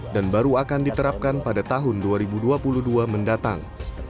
dan baru akan diterapkan pada tahun dua ribu dua puluh dua mendatang